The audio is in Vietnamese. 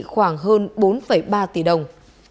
khoảng hơn bốn ba tỷ đồng